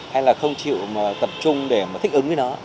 hay là không chịu tập trung để mà thích ứng với nó